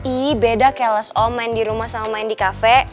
ih beda kelas om main di rumah sama main di cafe